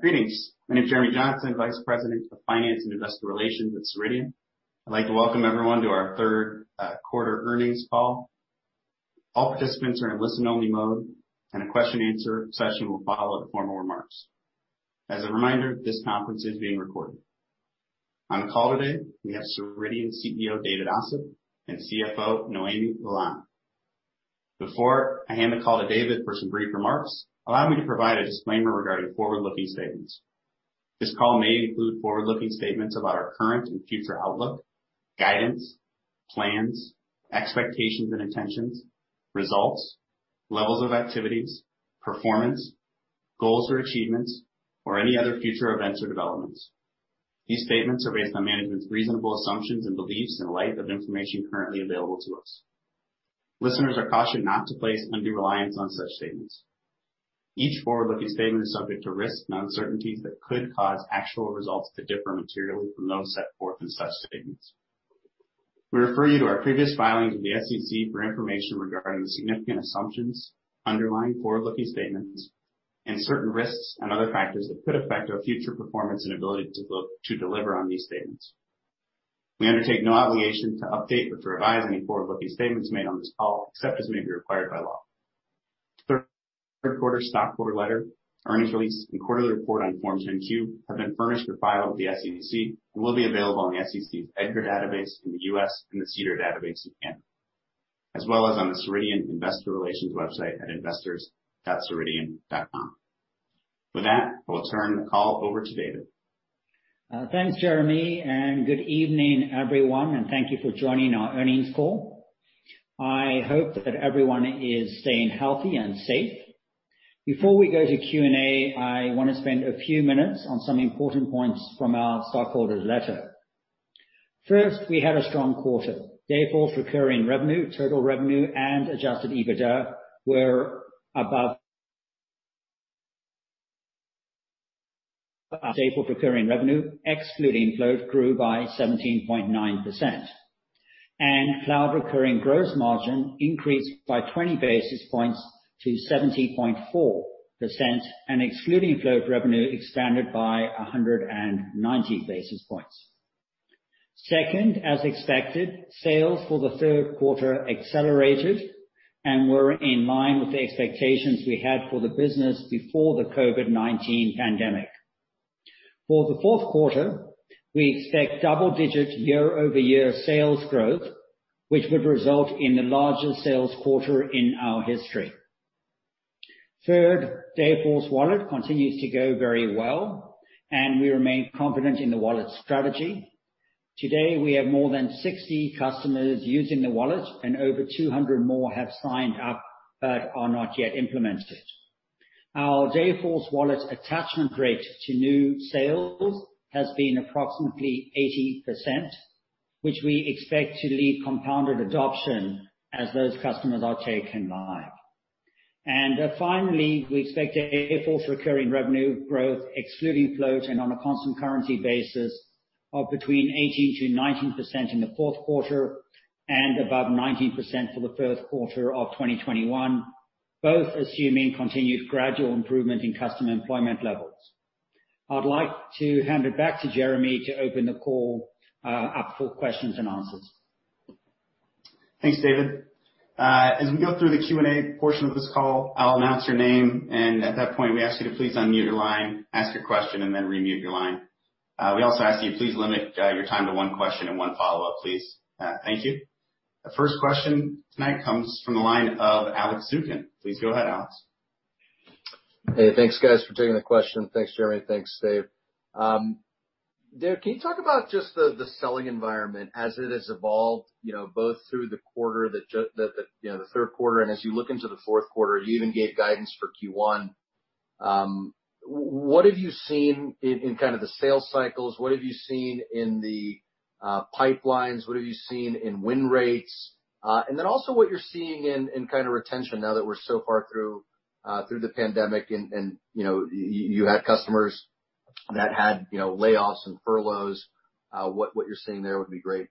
Greetings. My name is Jeremy Johnson, Vice President of Finance and Investor Relations at Ceridian. I'd like to welcome everyone to our third quarter earnings call. All participants are in a listen-only mode. A question-answer session will follow the formal remarks. As a reminder, this conference is being recorded. On call today, we have Ceridian CEO, David Ossip, and CFO, Noémie Heuland. Before I hand the call to David for some brief remarks, allow me to provide a disclaimer regarding forward-looking statements. This call may include forward-looking statements about our current and future outlook, guidance, plans, expectations and intentions, results, levels of activities, performance, goals or achievements, or any other future events or developments. These statements are based on management's reasonable assumptions and beliefs in light of information currently available to us. Listeners are cautioned not to place undue reliance on such statements. Each forward-looking statement is subject to risks and uncertainties that could cause actual results to differ materially from those set forth in such statements. We refer you to our previous filings with the SEC for information regarding the significant assumptions underlying forward-looking statements and certain risks and other factors that could affect our future performance and ability to deliver on these statements. We undertake no obligation to update or to revise any forward-looking statements made on this call, except as may be required by law. Third quarter stockholder letter, earnings release, and quarterly report on Form 10-Q have been furnished or filed with the SEC and will be available on the SEC's EDGAR database in the U.S., and the SEDAR database in Canada, as well as on the Ceridian investor relations website at investors.ceridian.com. With that, I will turn the call over to David. Thanks, Jeremy, good evening, everyone, and thank you for joining our earnings call. I hope that everyone is staying healthy and safe. Before we go to Q&A, I want to spend a few minutes on some important points from our stockholders letter. First, we had a strong quarter. Dayforce recurring revenue, total revenue, and adjusted EBITDA were above Dayforce recurring revenue, excluding float, grew by 17.9%, and cloud recurring gross margin increased by 20 basis points to 17.4% and excluding float revenue expanded by 190 basis points. Second, as expected, sales for the third quarter accelerated and were in line with the expectations we had for the business before the COVID-19 pandemic. For the fourth quarter, we expect double-digit year-over-year sales growth, which would result in the largest sales quarter in our history. Third, Dayforce Wallet continues to go very well, and we remain confident in the Wallet strategy. Today, we have more than 60 customers using the Wallet, and over 200 more have signed up but are not yet implemented. Our Dayforce Wallet attachment rate to new sales has been approximately 80%, which we expect to lead compounded adoption as those customers are taken live. Finally, we expect a Dayforce recurring revenue growth, excluding float and on a constant currency basis of between 18%-19% in the fourth quarter and above 19% for the first quarter of 2021, both assuming continued gradual improvement in customer employment levels. I'd like to hand it back to Jeremy to open the call up for questions and answers. Thanks, David. As we go through the Q&A portion of this call, I'll announce your name, and at that point, we ask you to please unmute your line, ask your question, and then mute your line. We also ask you please limit your time to one question and one follow-up, please. Thank you. The first question tonight comes from the line of Alex Zukin. Please go ahead, Alex. Hey, thanks, guys, for taking the question. Thanks, Jeremy. Thanks, Dave. Dave, can you talk about just the selling environment as it has evolved both through the quarter, the third quarter, and as you look into the fourth quarter, you even gave guidance for Q1? What have you seen in the sales cycles? What have you seen in the pipelines? What have you seen in win rates? Then also what you're seeing in retention now that we're so far through the pandemic and you had customers that had layoffs and furloughs, what you're seeing there would be great.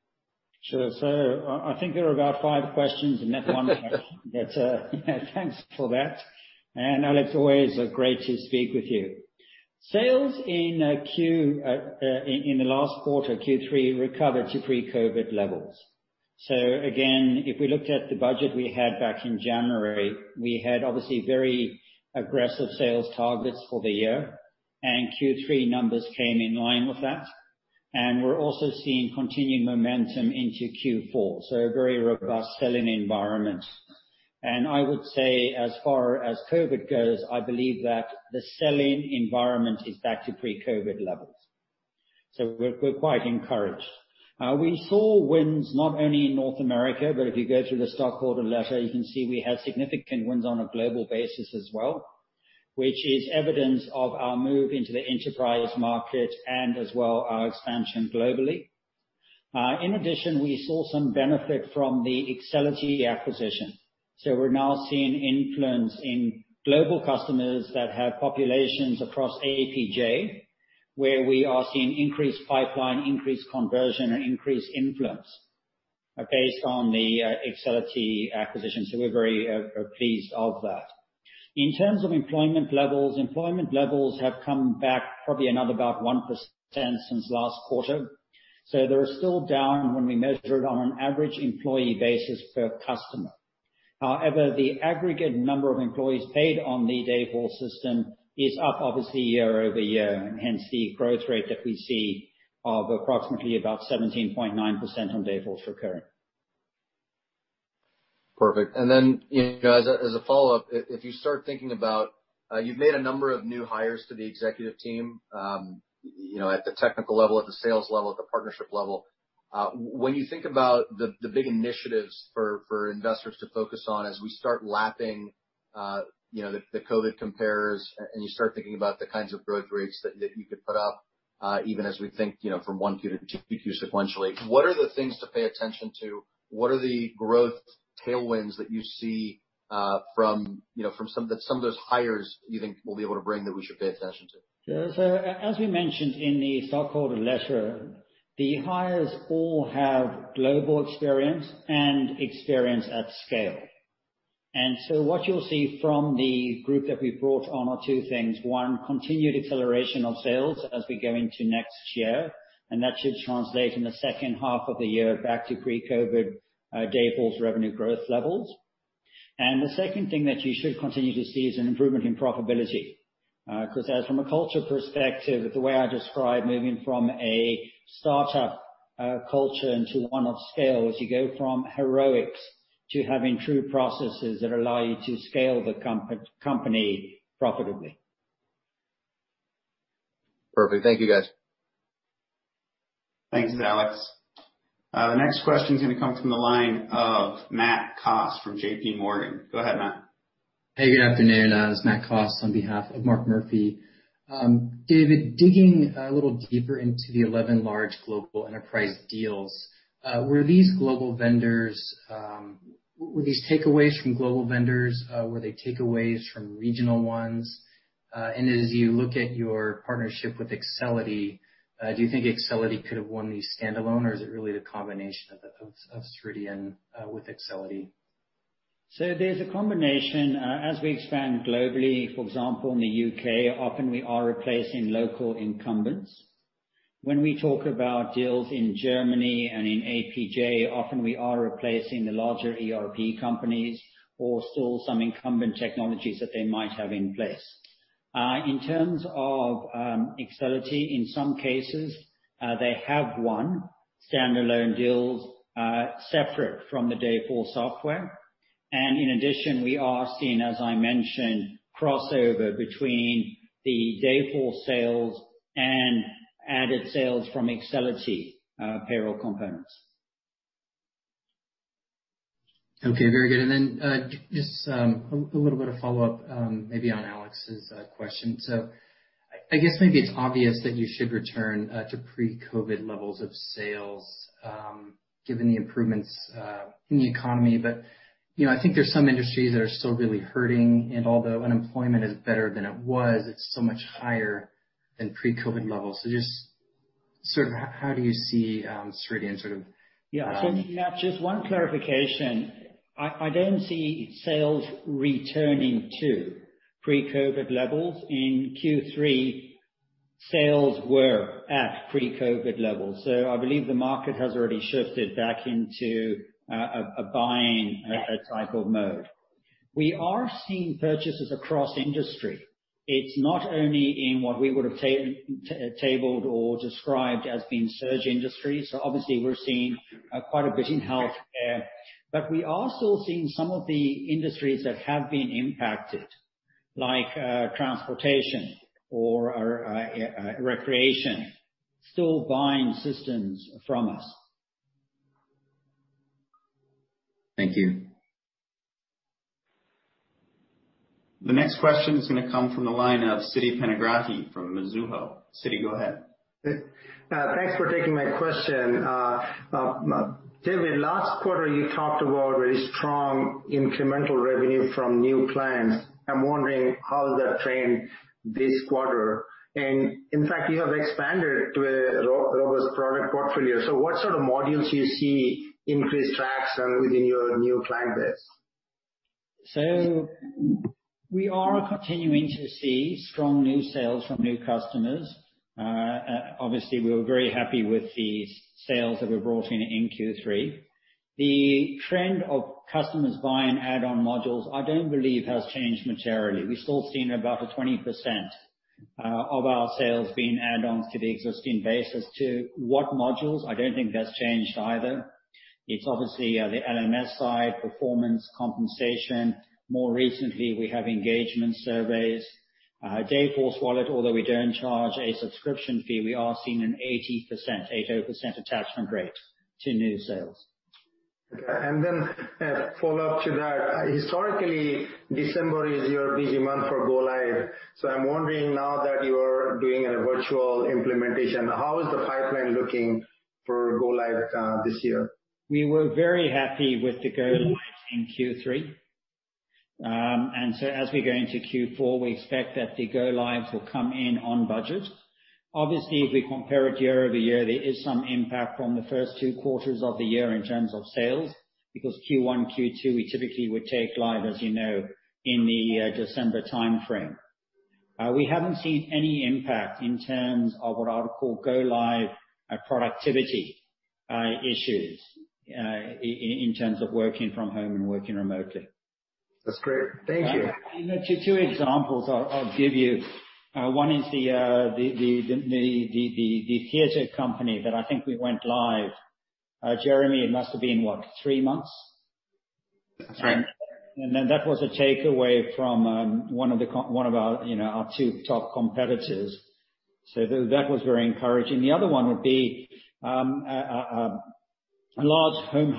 Sure. I think there are about five questions in that one question. Thanks for that. Alex, always great to speak with you. Sales in the last quarter, Q3, recovered to pre-COVID levels. Again, if we looked at the budget we had back in January, we had obviously very aggressive sales targets for the year, and Q3 numbers came in line with that. We're also seeing continued momentum into Q4, so a very robust selling environment. I would say as far as COVID goes, I believe that the selling environment is back to pre-COVID levels. We're quite encouraged. We saw wins not only in North America, but if you go through the stockholder letter, you can see we have significant wins on a global basis as well, which is evidence of our move into the enterprise market and as well our expansion globally. In addition, we saw some benefit from the Excelity acquisition. We're now seeing influence in global customers that have populations across APJ, where we are seeing increased pipeline, increased conversion, and increased influence. Based on the Excelity acquisition, so we're very pleased of that. In terms of employment levels, employment levels have come back probably another about 1% since last quarter. They are still down when we measure it on an average employee basis per customer. However, the aggregate number of employees paid on the Dayforce system is up obviously year-over-year, hence the growth rate that we see of approximately about 17.9% on Dayforce recurring. Perfect. As a follow-up, if you start thinking about, you've made a number of new hires to the executive team, at the technical level, at the sales level, at the partnership level. When you think about the big initiatives for investors to focus on as we start lapping the COVID compares, and you start thinking about the kinds of growth rates that you could put up, even as we think from Q1 to Q2 sequentially. What are the things to pay attention to? What are the growth tailwinds that you see from some of those hires you think will be able to bring that we should pay attention to? Yeah. As we mentioned in the stakeholder letter, the hires all have global experience and experience at scale. What you'll see from the group that we've brought on are two things. One, continued acceleration of sales as we go into next year, and that should translate in the second half of the year back to pre-COVID Dayforce revenue growth levels. The second thing that you should continue to see is an improvement in profitability. Because as from a culture perspective, the way I describe moving from a startup culture into one of scale, is you go from heroics to having true processes that allow you to scale the company profitably. Perfect. Thank you, guys. Thanks, Alex. The next question's going to come from the line of Matt Coss from JPMorgan. Go ahead, Matt. Hey, good afternoon. It's Matt Coss on behalf of Mark Murphy. David, digging a little deeper into the 11 large global enterprise deals. Were these takeaways from global vendors? Were they takeaways from regional ones? As you look at your partnership with Excelity, do you think Excelity could have won these standalone, or is it really the combination of Ceridian with Excelity? There's a combination. As we expand globally, for example, in the U.K., often we are replacing local incumbents. When we talk about deals in Germany and in APJ, often we are replacing the larger ERP companies or still some incumbent technologies that they might have in place. In terms of Excelity, in some cases, they have won standalone deals separate from the Dayforce software. In addition, we are seeing, as I mentioned, crossover between the Dayforce sales and added sales from Excelity payroll components. Okay, very good. Just a little bit of follow-up maybe on Alex's question. I guess maybe it's obvious that you should return to pre-COVID levels of sales given the improvements in the economy. I think there's some industries that are still really hurting, and although unemployment is better than it was, it's so much higher than pre-COVID levels. Just sort of how do you see Ceridian? Yeah. Matt, just one clarification. I don't see sales returning to pre-COVID levels. In Q3, sales were at pre-COVID levels. I believe the market has already shifted back into a buying type of mode. We are seeing purchases across industry. It's not only in what we would have tabled or described as being surge industries. Obviously, we're seeing quite a bit in healthcare. We are still seeing some of the industries that have been impacted, like transportation or recreation, still buying systems from us. Thank you. The next question is going to come from the line of Siti Panigrahi from Mizuho. Siti, go ahead. Thanks for taking my question. David, last quarter you talked about very strong incremental revenue from new clients. I'm wondering how that trend this quarter. In fact, you have expanded to a robust product portfolio. What sort of modules you see increased traction within your new client base? We are continuing to see strong new sales from new customers. Obviously, we were very happy with the sales that we brought in in Q3. The trend of customers buying add-on modules, I don't believe has changed materially. We're still seeing about 20% of our sales being add-ons to the existing base. As to what modules, I don't think that's changed either. It's obviously the LMS side, performance, compensation. More recently, we have engagement surveys. Dayforce Wallet, although we don't charge a subscription fee, we are seeing an 80% attachment rate to new sales. Okay. A follow-up to that. Historically, December is your busy month for go-live. I'm wondering now that you are doing a virtual implementation, how is the pipeline looking for go-live this year? We were very happy with the go-lives in Q3. As we go into Q4, we expect that the go-lives will come in on budget. Obviously, if we compare it year-over-year, there is some impact from the first two quarters of the year in terms of sales, because Q1, Q2, we typically would take live, as you know, in the December timeframe. We haven't seen any impact in terms of what I would call go-live productivity issues in terms of working from home and working remotely. That's great. Thank you. Two examples I'll give you. One is the theater company that I think we went live. Jeremy, it must have been what, three months? That's right. That was a takeaway from one of our two top competitors. That was very encouraging. The other one would be a large home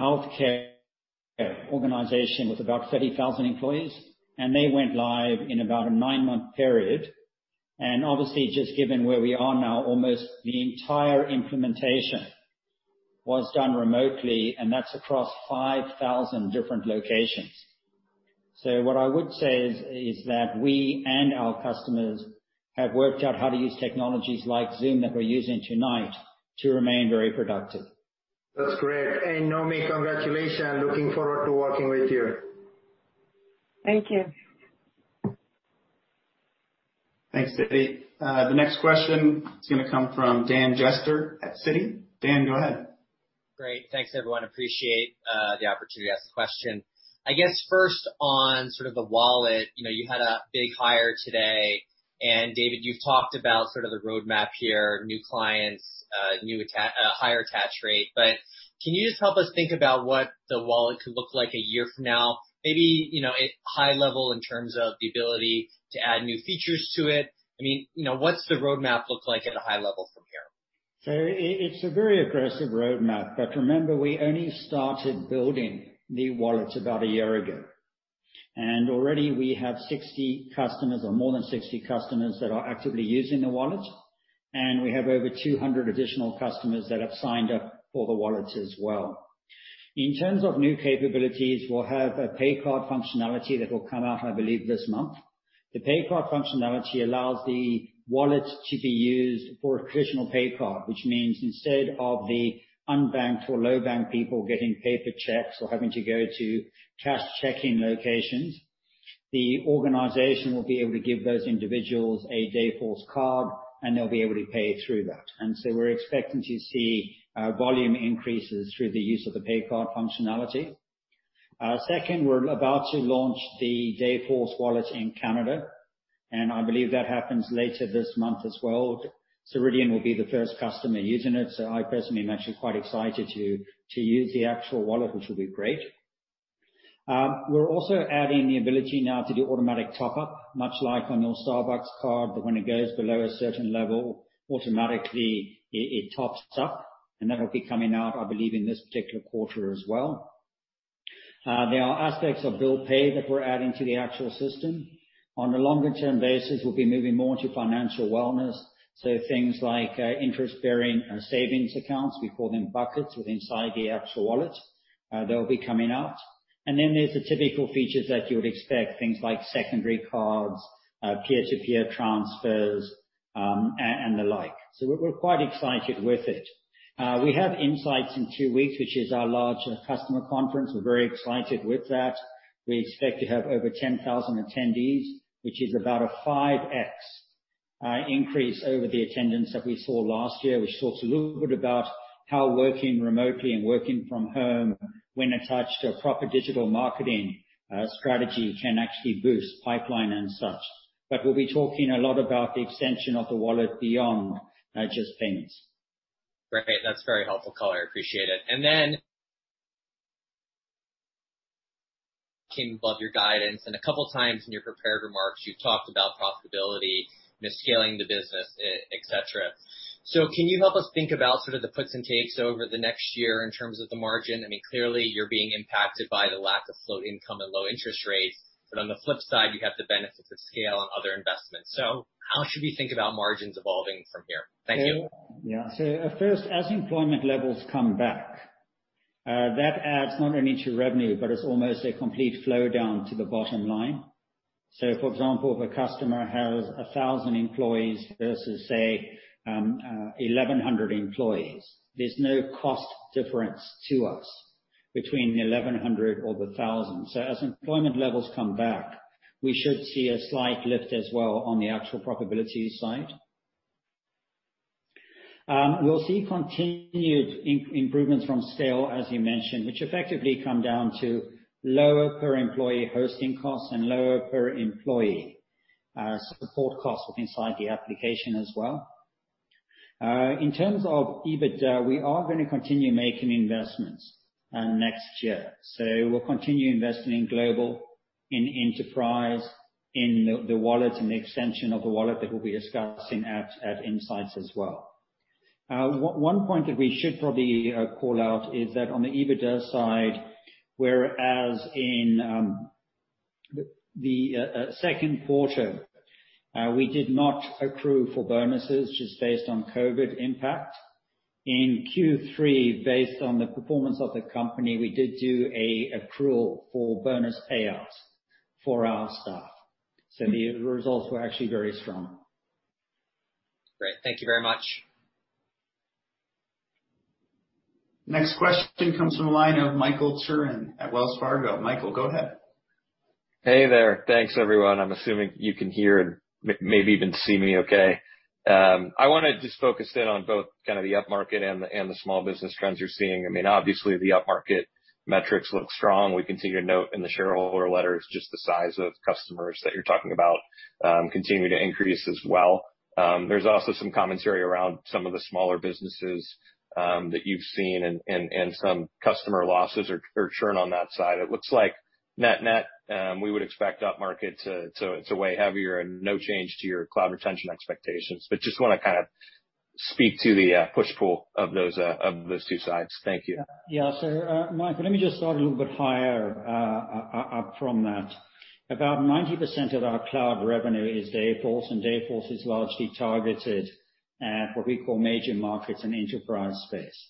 healthcare organization with about 30,000 employees, and they went live in about a nine-month period. Obviously, just given where we are now, almost the entire implementation was done remotely, and that's across 5,000 different locations. What I would say is that we and our customers have worked out how to use technologies like Zoom that we're using tonight to remain very productive. That's great. Noémie, congratulations. Looking forward to working with you. Thank you. Thanks, David. The next question is going to come from Dan Jester at Citi. Dan, go ahead. Great. Thanks, everyone. Appreciate the opportunity to ask the question. I guess first on sort of the Wallet. You had a big hire today. David, you've talked about sort of the roadmap here, new clients, higher attach rate. Can you just help us think about what the Wallet could look like a year from now? Maybe high level in terms of the ability to add new features to it. What's the roadmap look like at a high level from here? It's a very aggressive roadmap, but remember, we only started building the Wallet about a year ago. Already we have 60 customers or more than 60 customers that are actively using the Wallet, and we have over 200 additional customers that have signed up for the Wallet as well. In terms of new capabilities, we'll have a pay card functionality that will come out, I believe, this month. The pay card functionality allows the Wallet to be used for a traditional pay card, which means instead of the unbanked or low-bank people getting paper checks or having to go to cash checking locations, the organization will be able to give those individuals a Dayforce card, and they'll be able to pay through that. We're expecting to see volume increases through the use of the pay card functionality. We're about to launch the Dayforce Wallet in Canada, and I believe that happens later this month as well. Ceridian will be the first customer using it. I personally am actually quite excited to use the actual wallet, which will be great. Adding the ability now to do automatic top-up, much like on your Starbucks card, that when it goes below a certain level, automatically it tops up, and that'll be coming out, I believe, in this particular quarter as well. There are aspects of bill pay that we're adding to the actual system. On a longer-term basis, we'll be moving more into financial wellness. Things like interest-bearing savings accounts, we call them buckets within say, the actual wallet. They'll be coming out. There's the typical features that you would expect, things like secondary cards, peer-to-peer transfers, and the like. We're quite excited with it. We have Insights in two weeks, which is our large customer conference. We're very excited with that. We expect to have over 10,000 attendees, which is about a 5x increase over the attendance that we saw last year. We talked a little bit about how working remotely and working from home when attached to a proper digital marketing strategy can actually boost pipeline and such. We'll be talking a lot about the extension of the wallet beyond just payments. Great. That's very helpful color. I appreciate it. It came above your guidance, and a couple of times in your prepared remarks, you talked about profitability, misscaling the business, et cetera. Can you help us think about sort of the puts and takes over the next year in terms of the margin? Clearly, you're being impacted by the lack of float income and low interest rates. On the flip side, you have the benefits of scale and other investments. How should we think about margins evolving from here? Thank you. First, as employment levels come back, that adds not only to revenue, but it's almost a complete flow down to the bottom line. For example, if a customer has 1,000 employees versus, say, 1,100 employees, there's no cost difference to us between the 1,100 or the 1,000. As employment levels come back, we should see a slight lift as well on the actual profitability side. We'll see continued improvements from scale, as you mentioned, which effectively come down to lower per-employee hosting costs and lower per-employee support costs inside the application as well. In terms of EBITDA, we are going to continue making investments next year. We'll continue investing in global, in enterprise, in the wallet and the extension of the wallet that we'll be discussing at Insights as well. One point that we should probably call out is that on the EBITDA side, whereas in the second quarter, we did not accrue for bonuses just based on COVID impact. In Q3, based on the performance of the company, we did do an accrual for bonus payouts for our staff. The results were actually very strong. Great. Thank you very much. Next question comes from the line of Michael Turrin at Wells Fargo. Michael, go ahead. Hey there. Thanks, everyone. I'm assuming you can hear and maybe even see me okay. I want to just focus in on both the upmarket and the small business trends you're seeing. Obviously, the upmarket metrics look strong. We can see your note in the shareholder letter is just the size of customers that you're talking about continue to increase as well. There's also some commentary around some of the smaller businesses that you've seen and some customer losses or churn on that side. It looks like net net, we would expect upmarket to weigh heavier and no change to your cloud retention expectations. Just want to speak to the push-pull of those two sides. Thank you. Mike, let me just start a little bit higher up from that. About 90% of our cloud revenue is Dayforce is largely targeted at what we call major markets and enterprise space.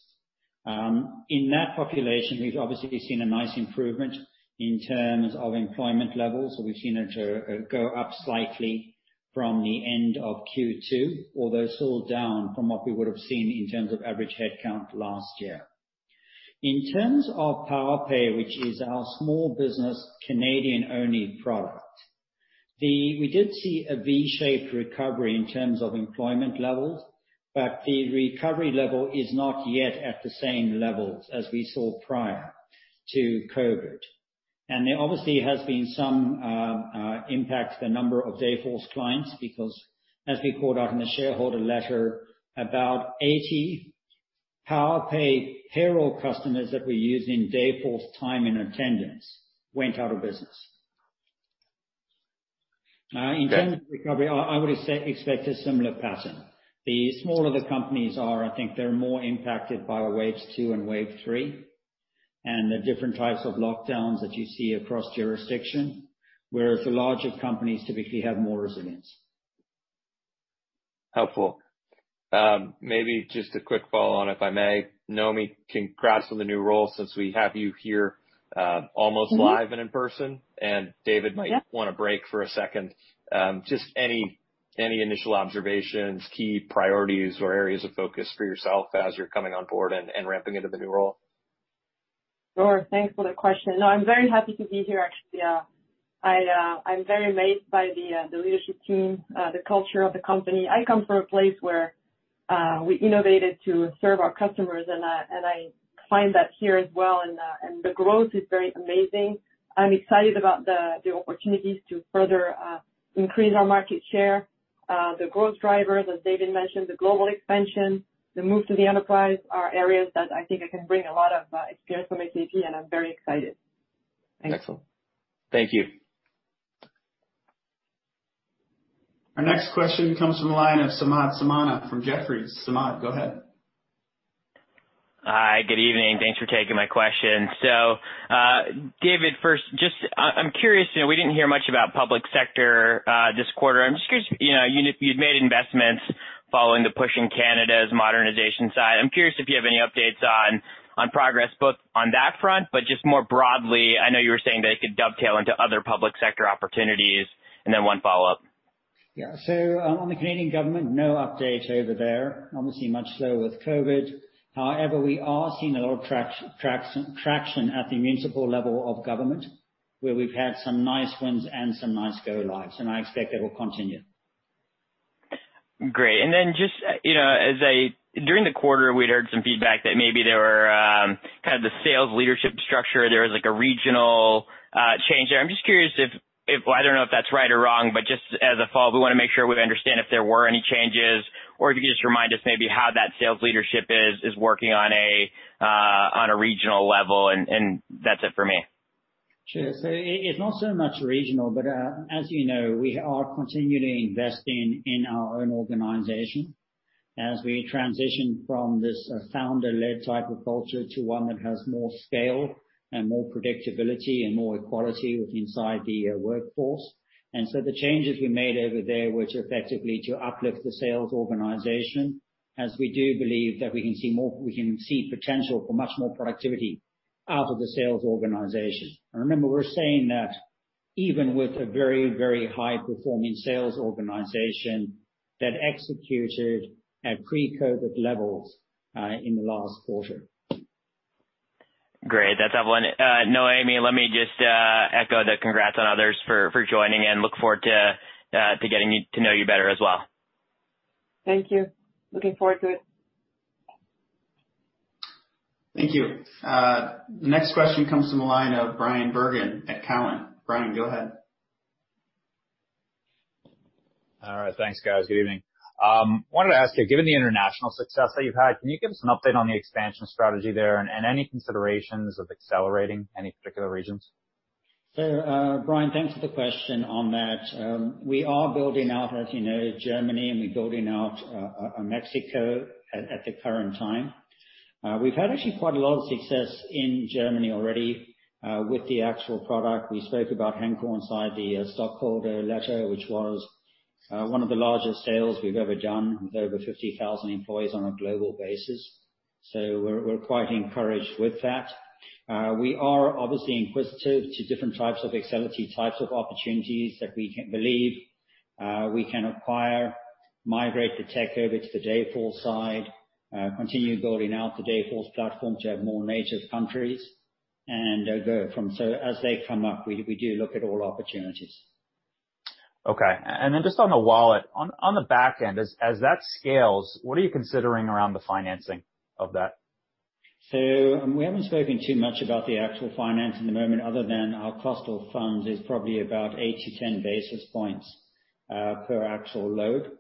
In that population, we've obviously seen a nice improvement in terms of employment levels. We've seen it go up slightly from the end of Q2, although still down from what we would have seen in terms of average headcount last year. In terms of Powerpay, which is our small business Canadian-only product, we did see a V-shaped recovery in terms of employment levels, the recovery level is not yet at the same levels as we saw prior to COVID. There obviously has been some impact to the number of Dayforce clients, because as we called out in the shareholder letter, about 80 Powerpay payroll customers that were using Dayforce time and attendance went out of business. Okay. In terms of recovery, I would expect a similar pattern. The smaller the companies are, I think they're more impacted by wave two and wave three, and the different types of lockdowns that you see across jurisdiction. Whereas the larger companies typically have more resilience. Helpful. Maybe just a quick follow-on, if I may. Noémie, congrats on the new role since we have you here almost live and in person. David might want to break for a second. Just any initial observations, key priorities, or areas of focus for yourself as you're coming on board and ramping into the new role? Sure. Thanks for the question. No, I'm very happy to be here, actually. I'm very amazed by the leadership team, the culture of the company. I come from a place where we innovated to serve our customers, and I find that here as well. The growth is very amazing. I'm excited about the opportunities to further increase our market share. The growth drivers, as David mentioned, the global expansion, the move to the enterprise, are areas that I think I can bring a lot of experience from SAP, and I'm very excited. Thanks. Excellent. Thank you. Our next question comes from the line of Samad Samana from Jefferies. Samad, go ahead. Hi, good evening. Thanks for taking my question. David, first, I'm curious, we didn't hear much about public sector this quarter. I'm just curious, you'd made investments following the push in Canada's modernization side. I'm curious if you have any updates on progress, both on that front, but just more broadly, I know you were saying that it could dovetail into other public sector opportunities. One follow-up. Yeah. On the Canadian government, no update over there. Obviously much slower with COVID. However, we are seeing a lot of traction at the municipal level of government, where we've had some nice wins and some nice go lives, and I expect that will continue. Great. Just during the quarter, we'd heard some feedback that maybe the sales leadership structure, there was a regional change there. I'm just curious, I don't know if that's right or wrong, but just as a follow-up, we want to make sure we understand if there were any changes. If you could just remind us maybe how that sales leadership is working on a regional level. That's it for me. Sure. It's not so much regional, but as you know, we are continually investing in our own organization as we transition from this founder-led type of culture to one that has more scale and more predictability and more equality inside the workforce. The changes we made over there were to effectively uplift the sales organization, as we do believe that we can see potential for much more productivity out of the sales organization. Remember, we're saying that even with a very high performing sales organization that executed at pre-COVID levels in the last quarter. Great. That's helpful. Noémie, let me just echo the congrats on others for joining in. Look forward to getting to know you better as well. Thank you. Looking forward to it. Thank you. Next question comes from the line of Bryan Bergin at Cowen. Bryan, go ahead. All right. Thanks, guys. Good evening. Wanted to ask you, given the international success that you've had, can you give us an update on the expansion strategy there and any considerations of accelerating any particular regions? Bryan, thanks for the question on that. We are building out, as you know, Germany, and we're building out Mexico at the current time. We've had actually quite a lot of success in Germany already, with the actual product. We spoke about Henkel inside the stockholder letter, which was one of the largest sales we've ever done, with over 50,000 employees on a global basis. We're quite encouraged with that. We are obviously inquisitive to different types of exciting types of opportunities that we believe we can acquire, migrate the tech over to the Dayforce side, continue building out the Dayforce platform to have more native countries, and go from. As they come up, we do look at all opportunities. Okay. Then just on the Wallet, on the back end as that scales, what are you considering around the financing of that? We haven't spoken too much about the actual finance at the moment, other than our cost of funds is probably about eight to 10 basis points per actual load.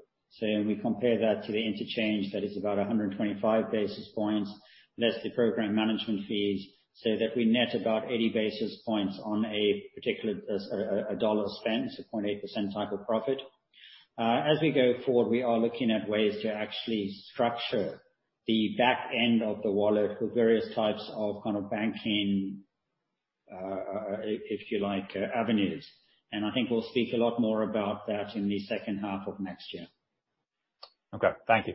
When we compare that to the interchange, that is about 125 basis points, less the program management fees, so that we net about 80 basis points on a particular, a dollar spent. It's a 0.8% type of profit. As we go forward, we are looking at ways to actually structure the back end of the Dayforce Wallet for various types of banking, if you like, avenues. I think we'll speak a lot more about that in the second half of next year. Okay. Thank you.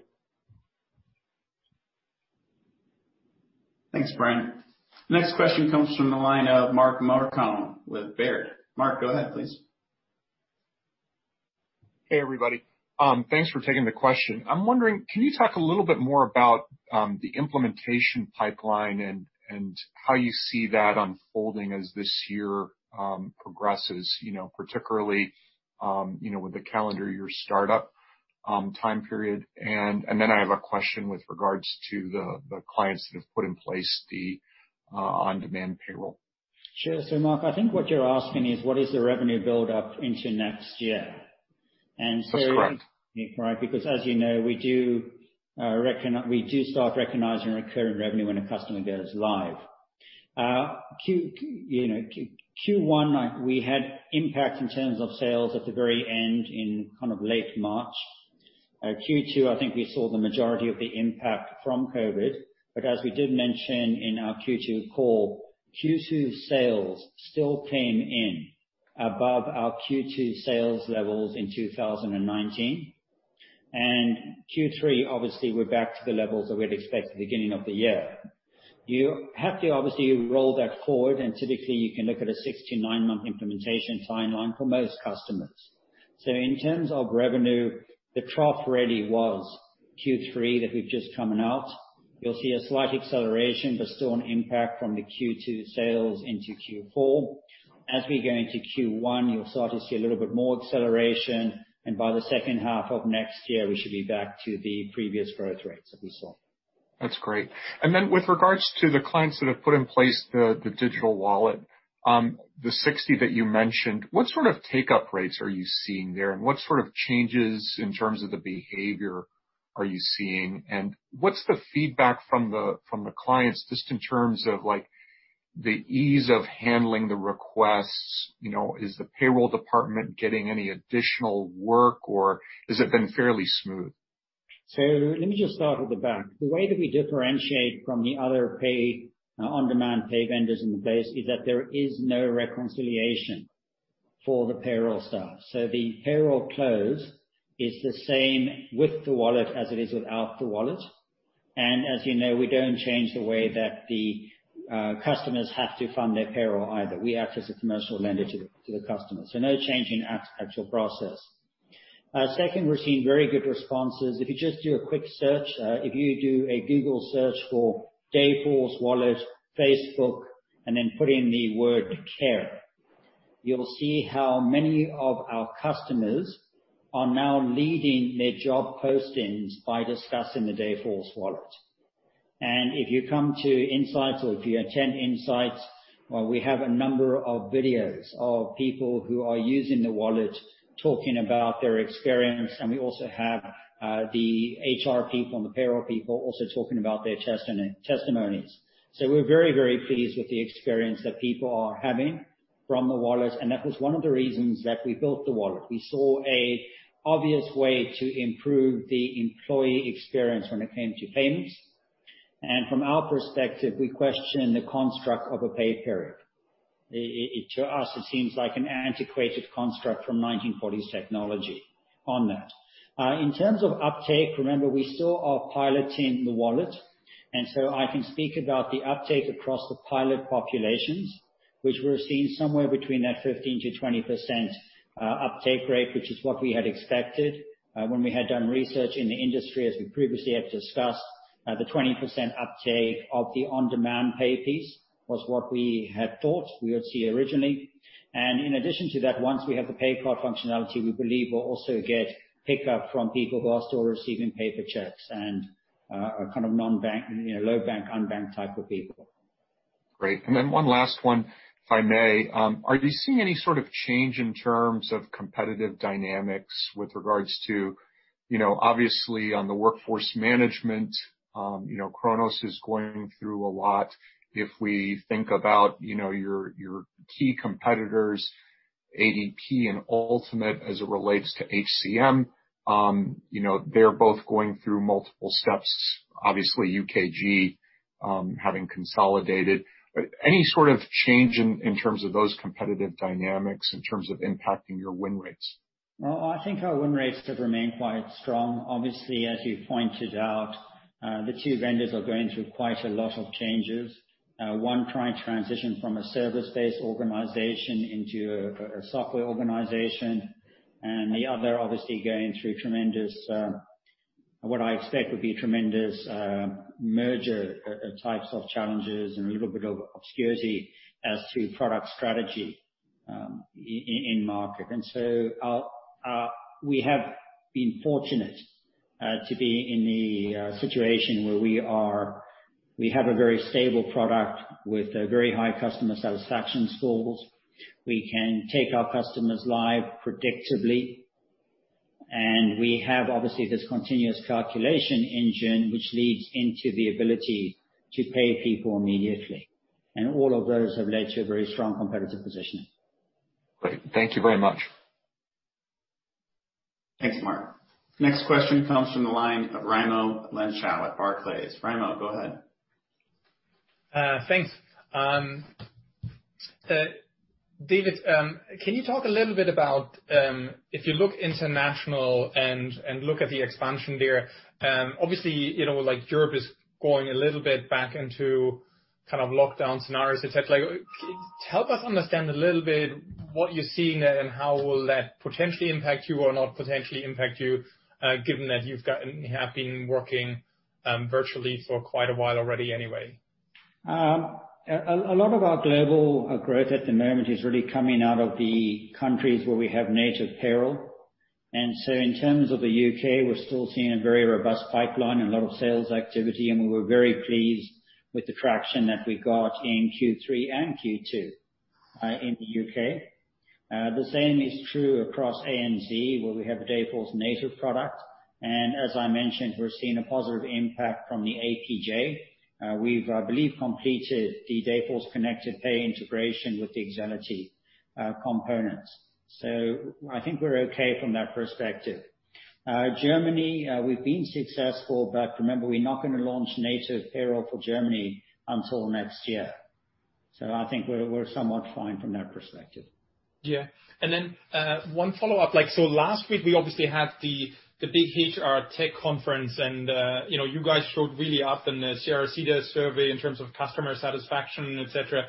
Thanks, Bryan. Next question comes from the line of Mark Marcon with Baird. Mark, go ahead, please. Hey, everybody. Thanks for taking the question. I'm wondering, can you talk a little bit more about the implementation pipeline and how you see that unfolding as this year progresses, particularly with the calendar year startup time period? Then I have a question with regards to the clients that have put in place the on-demand payroll. Sure. Mark, I think what you're asking is, what is the revenue build-up into next year? That's correct. Right. Because as you know we do start recognizing recurring revenue when a customer goes live. Q1, we had impact in terms of sales at the very end in late March. Q2, I think we saw the majority of the impact from COVID-19, but as we did mention in our Q2 call, Q2 sales still came in above our Q2 sales levels in 2019. Q3, obviously, we're back to the levels that we'd expect at the beginning of the year. You have to obviously roll that forward, and typically you can look at a six to nine-month implementation timeline for most customers. In terms of revenue, the trough really was Q3 that we've just come out. You'll see a slight acceleration, but still an impact from the Q2 sales into Q4. As we go into Q1, you'll start to see a little bit more acceleration, and by the second half of next year, we should be back to the previous growth rates that we saw. That's great. Then with regards to the clients that have put in place the Dayforce Wallet, the 60 that you mentioned, what sort of take-up rates are you seeing there? What sort of changes in terms of the behavior are you seeing? What's the feedback from the clients, just in terms of the ease of handling the requests? Is the payroll department getting any additional work, or has it been fairly smooth? Let me just start at the back. The way that we differentiate from the other on-demand pay vendors in the place is that there is no reconciliation for the payroll staff. The payroll close is the same with the Wallet as it is without the Wallet. As you know, we don't change the way that the customers have to fund their payroll either. We act as a commercial lender to the customer. No change in actual process. Second, we're seeing very good responses. If you just do a quick search, if you do a Google search for Dayforce Wallet Facebook, and then put in the word care, you'll see how many of our customers are now leading their job postings by discussing the Dayforce Wallet. If you come to Insights, or if you attend Insights, we have a number of videos of people who are using the Wallet talking about their experience, and we also have the HR people and the payroll people also talking about their testimonies. We're very, very pleased with the experience that people are having from the wallet, and that was one of the reasons that we built the wallet. We saw an obvious way to improve the employee experience when it came to payments. From our perspective, we question the construct of a pay period. To us, it seems like an antiquated construct from 1940s technology on that. In terms of uptake, remember, we still are piloting the wallet, and so I can speak about the uptake across the pilot populations, which we're seeing somewhere between that 15%-20% uptake rate, which is what we had expected. When we had done research in the industry, as we previously have discussed, the 20% uptake of the on-demand pay piece was what we had thought we would see originally. In addition to that, once we have the pay card functionality, we believe we'll also get pickup from people who are still receiving paper checks and a kind of non-bank, low bank, unbanked type of people. Great. Then one last one, if I may. Are you seeing any sort of change in terms of competitive dynamics with regards to, obviously on the workforce management, Kronos is going through a lot. If we think about your key competitors, ADP and Ultimate, as it relates to HCM. They're both going through multiple steps, obviously UKG having consolidated. Any sort of change in terms of those competitive dynamics, in terms of impacting your win rates? Well, I think our win rates have remained quite strong. Obviously, as you pointed out, the two vendors are going through quite a lot of changes. One trying to transition from a service-based organization into a software organization, the other obviously going through what I expect would be tremendous merger types of challenges and a little bit of obscurity as to product strategy in market. We have been fortunate to be in the situation where we have a very stable product with very high customer satisfaction scores. We can take our customers live predictably, and we have, obviously, this continuous calculation engine, which leads into the ability to pay people immediately. All of those have led to a very strong competitive positioning. Great. Thank you very much. Thanks, Mark. Next question comes from the line of Raimo Lenschow at Barclays. Raimo, go ahead. Thanks. David, can you talk a little bit about, if you look international and look at the expansion there, obviously Europe is going a little bit back into lockdown scenarios, et cetera. Help us understand a little bit what you're seeing there, and how will that potentially impact you or not potentially impact you, given that you have been working virtually for quite a while already anyway? A lot of our global growth at the moment is really coming out of the countries where we have native payroll. In terms of the U.K., we're still seeing a very robust pipeline and a lot of sales activity, and we were very pleased with the traction that we got in Q3 and Q2 in the U.K. The same is true across ANZ, where we have Dayforce native product. As I mentioned, we're seeing a positive impact from the APJ. We've, I believe, completed the Dayforce Connected Pay integration with the Excelity components. I think we're okay from that perspective. Germany, we've been successful, but remember, we're not going to launch native payroll for Germany until next year. I think we're somewhat fine from that perspective. Yeah. One follow-up. Last week we obviously had the big HR tech conference, and you guys showed really up in the Sierra-Cedar survey in terms of customer satisfaction, et cetera.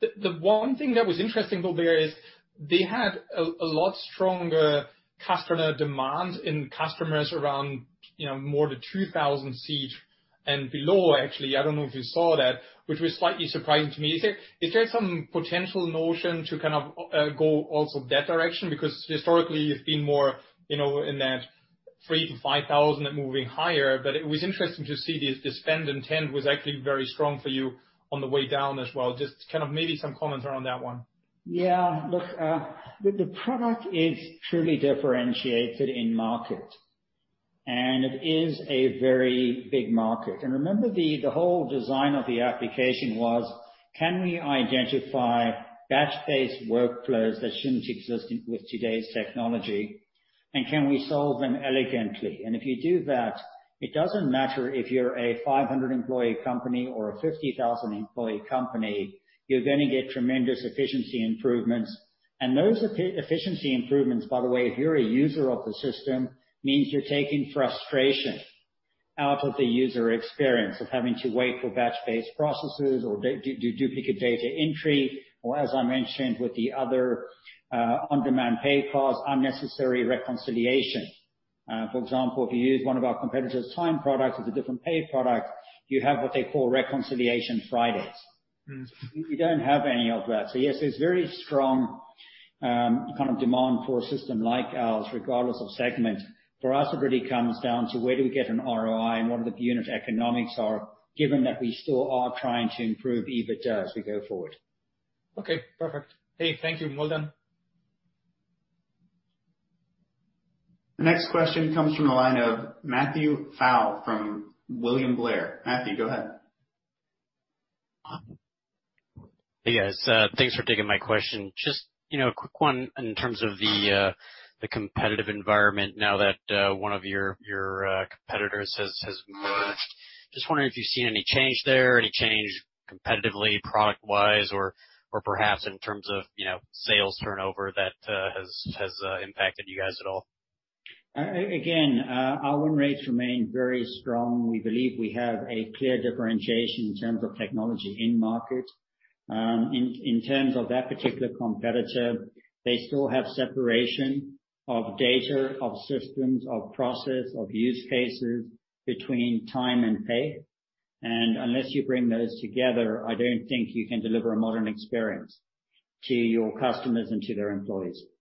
The one thing that was interesting, though, there is they had a lot stronger customer demand in customers around more the 2,000 seat and below, actually. I don't know if you saw that, which was slightly surprising to me. Is there some potential notion to go also that direction? Historically you've been more in that 3,000-5,000 and moving higher. It was interesting to see the spend intent was actually very strong for you on the way down as well. Just maybe some comments around that one. Yeah. Look, the product is truly differentiated in market, and it is a very big market. Remember, the whole design of the application was, can we identify batch-based workflows that shouldn't exist with today's technology, and can we solve them elegantly? If you do that, it doesn't matter if you're a 500-employee company or a 50,000-employee company, you're going to get tremendous efficiency improvements. Those efficiency improvements, by the way, if you're a user of the system, means you're taking frustration out of the user experience of having to wait for batch-based processes or do duplicate data entry, or, as I mentioned, with the other on-demand pay flaw, unnecessary reconciliation. For example, if you use one of our competitor's time products with a different pay product, you have what they call Reconciliation Fridays. We don't have any of that. Yes, there's very strong demand for a system like ours, regardless of segment. For us, it really comes down to where do we get an ROI and what the unit economics are, given that we still are trying to improve EBITDA as we go forward. Okay, perfect. Hey, thank you. Well done. Next question comes from the line of Matthew Pfau from William Blair. Matthew, go ahead. Hey, guys. Thanks for taking my question. Just a quick one in terms of the competitive environment now that one of your competitors has merged. Just wondering if you've seen any change there, any change competitively, product-wise, or perhaps in terms of sales turnover that has impacted you guys at all? Our win rates remain very strong. We believe we have a clear differentiation in terms of technology in market. In terms of that particular competitor, they still have separation of data, of systems, of process, of use cases between time and pay. Unless you bring those together, I don't think you can deliver a modern experience to your customers and to their employees. Great.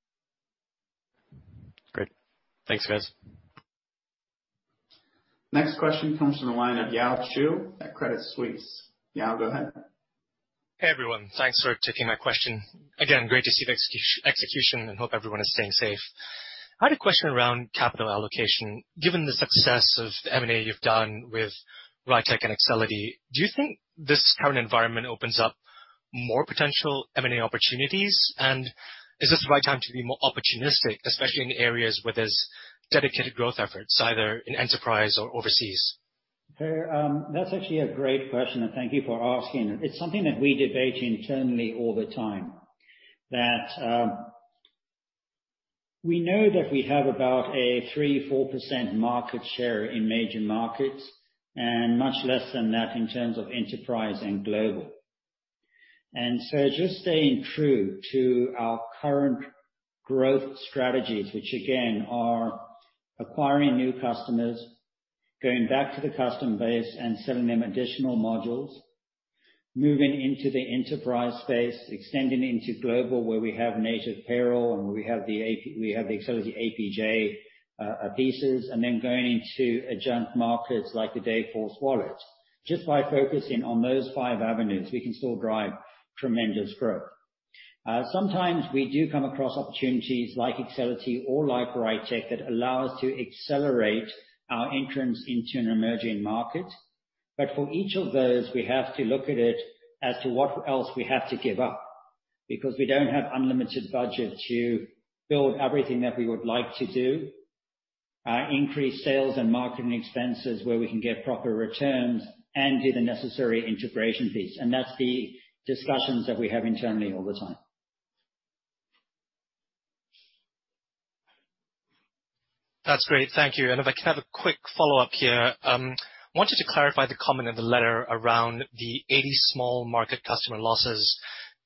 Thanks, guys. Next question comes from the line of Yao Chew at Credit Suisse. Yao, go ahead. Hey, everyone. Thanks for taking my question. Great to see the execution and hope everyone is staying safe. I had a question around capital allocation. Given the success of the M&A you've done with RITEQ and Excelity, do you think this current environment opens up more potential M&A opportunities? Is this the right time to be more opportunistic, especially in areas where there's dedicated growth efforts, either in enterprise or overseas? That's actually a great question, and thank you for asking it. It's something that we debate internally all the time. That we know that we have about a 3%-4% market share in major markets and much less than that in terms of enterprise and global. Just staying true to our current growth strategies, which again, are acquiring new customers, going back to the customer base and selling them additional modules, moving into the enterprise space, extending into global, where we have native payroll and we have the Excelity APJ pieces, and then going into adjunct markets like the Dayforce Wallet. Just by focusing on those five avenues, we can still drive tremendous growth. Sometimes we do come across opportunities like Excelity or like RITEQ that allow us to accelerate our entrance into an emerging market. For each of those, we have to look at it as to what else we have to give up, because we don't have unlimited budget to build everything that we would like to do, increase sales and marketing expenses where we can get proper returns and do the necessary integration piece. That's the discussions that we have internally all the time. That's great. Thank you. If I can have a quick follow-up here. I wanted to clarify the comment in the letter around the 80 small market customer losses,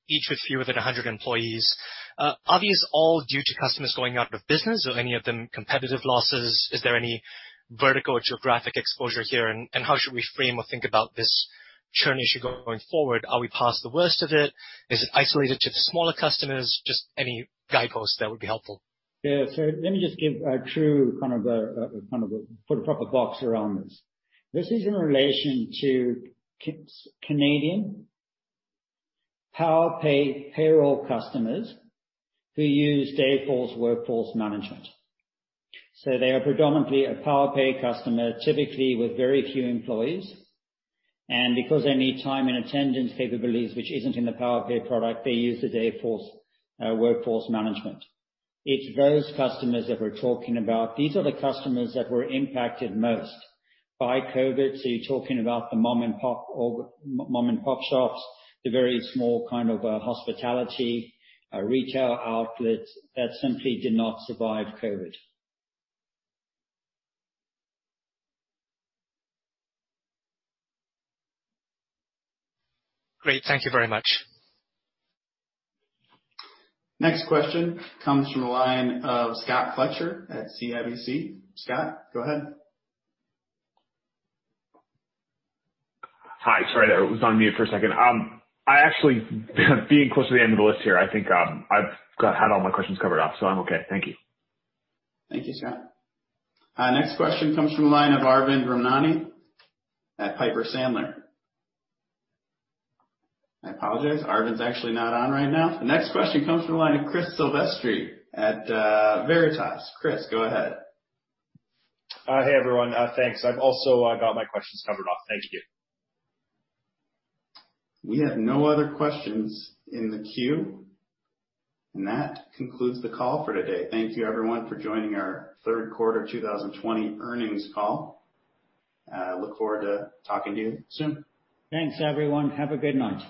each with fewer than 100 employees. Are these all due to customers going out of business or any of them competitive losses? Is there any vertical geographic exposure here and how should we frame or think about this churn issue going forward? Are we past the worst of it? Is it isolated to the smaller customers? Just any guideposts there would be helpful. Yeah. Let me just give a true put a proper box around this. This is in relation to Canadian Powerpay payroll customers who use Dayforce Workforce Management. They are predominantly a Powerpay customer, typically with very few employees. Because they need time and attendance capabilities, which isn't in the Powerpay product, they use the Dayforce Workforce Management. It's those customers that we're talking about. These are the customers that were impacted most by COVID. You're talking about the mom-and-pop shops, the very small kind of hospitality, retail outlets that simply did not survive COVID. Great. Thank you very much. Next question comes from the line of Scott Fletcher at CIBC. Scott, go ahead. Hi. Sorry, I was on mute for a second. I actually being close to the end of the list here, I think I've had all my questions covered off, so I'm okay. Thank you. Thank you, Scott. Next question comes from the line of Arvind Ramnani at Piper Sandler. I apologize, Arvind's actually not on right now. The next question comes from the line of Chris Sivestre at Veritas. Chris, go ahead. Hey, everyone. Thanks. I've also got my questions covered off. Thank you. We have no other questions in the queue. That concludes the call for today. Thank you everyone for joining our third quarter 2020 earnings call. I look forward to talking to you soon. Thanks everyone. Have a good night.